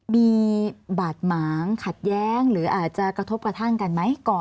มีบาดหมางขัดแย้งหรืออาจจะกระทบกระทั่งกันไหมก่อน